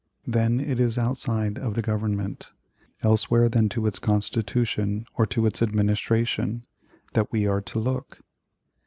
Then it is outside of the Government elsewhere than to its Constitution or to its administration that we are to look.